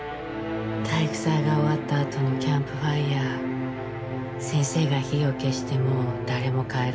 「体育祭が終わったあとのキャンプファイア」「先生が火を消しても誰も帰ろうとしなくて」